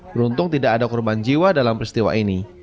beruntung tidak ada korban jiwa dalam peristiwa ini